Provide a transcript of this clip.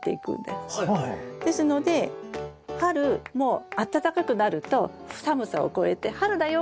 ですので春もう暖かくなると寒さを越えて春だよ